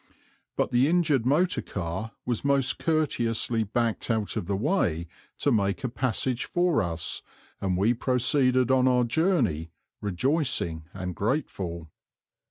But the injured motor car was most courteously backed out of the way to make a passage for us, and we proceeded on our journey rejoicing and grateful.